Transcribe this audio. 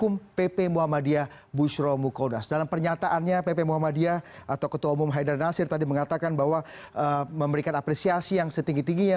membantu memberikan apresiasi yang setinggi tingginya